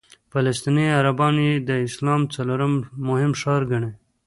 فلسطیني عربان یې د اسلام څلورم مهم ښار ګڼي.